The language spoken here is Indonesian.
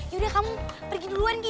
yaudah kamu pergi duluan gitu